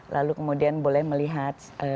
lalu kemudian boleh melihat